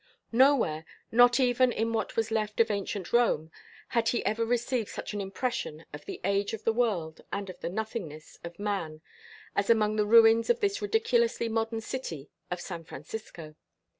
Nowhere, not even in what was left of ancient Rome, had he ever received such an impression of the age of the world and of the nothingness of man as among the ruins of this ridiculously modern city of San Francisco.